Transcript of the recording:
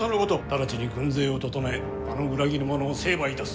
直ちに軍勢を整えあの裏切り者を成敗いたす。